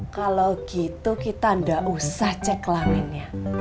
kalau gitu kita nggak usah cek langitnya